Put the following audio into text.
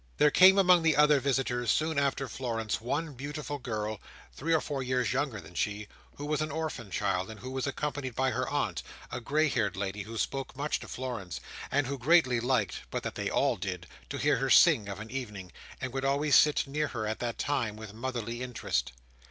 There came among the other visitors, soon after Florence, one beautiful girl, three or four years younger than she, who was an orphan child, and who was accompanied by her aunt, a grey haired lady, who spoke much to Florence, and who greatly liked (but that they all did) to hear her sing of an evening, and would always sit near her at that time, with motherly interest.